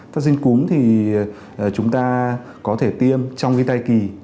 vaccine cúm thì chúng ta có thể tiêm trong cái thai kỳ